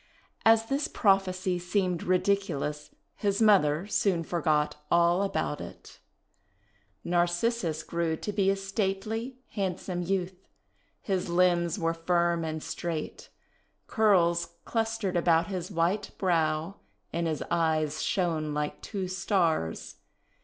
As this prophecy seemed ridiculous, his mother soon for got all about it. Narcissus grew to be a stately, handsome youth. His limbs were firm and straight. Curls clustered about his white brow, and his eyes shone like two Stars.